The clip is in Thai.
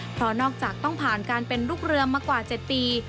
เพราะนอกจากต้องผ่านการเป็นลูกเรือมากว่า๗ปี